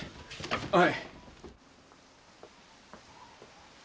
はい！